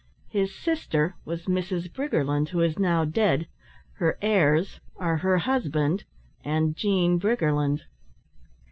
His sister was Mrs. Briggerland, who is now dead. Her heirs are her husband and Jean Briggerland."